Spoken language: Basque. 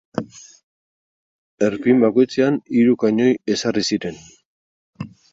Erpin bakoitzean hiru kainoi ezarri ziren.